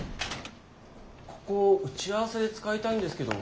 ここ打ち合わせで使いたいんですけど。